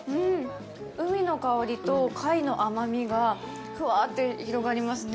海の香りと貝の甘みがふわって広がりますね。